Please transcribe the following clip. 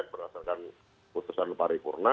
berdasarkan putusan paripurna